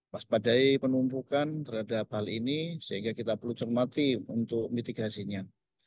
waspadai penumpukan terhadap hal ini sehingga kita perlu cermati untuk mitigasinya